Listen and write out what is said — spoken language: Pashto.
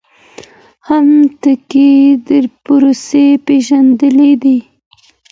مهم ټکی د پروسې پیژندل دي.